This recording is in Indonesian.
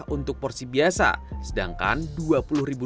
satu porsi mie ayam cowet pekansari dijual seharga dua rupiah